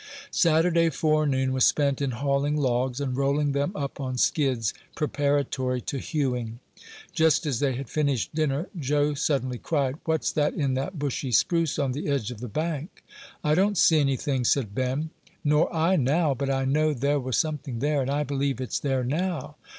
Saturday forenoon was spent in hauling logs, and rolling them up on skids, preparatory to hewing. Just as they had finished dinner, Joe suddenly cried, "What's that in that bushy spruce on the edge of the bank?" "I don't see anything," said Ben. "Nor I, now; but I know there was something there, and I believe it's there now."